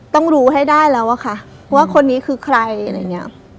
ต้องรู้ให้ได้แล้วอะค่ะว่าคนนี้คือใครอะไรอย่างนี้